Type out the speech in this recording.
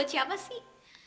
buat siapa sih